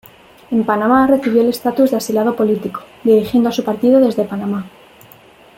En Panamá recibió el estatus de asilado político, dirigiendo a su partido desde Panamá.